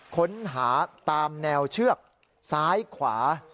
ค้นหาตามแนวเชือกซ้ายขวา